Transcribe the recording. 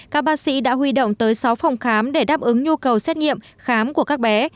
các bác sĩ đã huy động tới sáu phòng khám để đáp ứng nhu cầu xét nghiệm khám của các bé